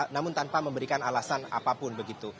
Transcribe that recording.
namun tanpa memberikan alasan apapun begitu